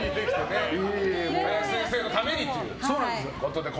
林先生のためにということで。